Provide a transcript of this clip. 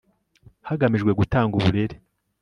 hagamijwe gutanga uburere